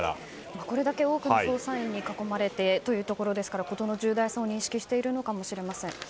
これだけ多くの捜査員に囲まれてというところですから事の重大さを認識しているのかもしれません。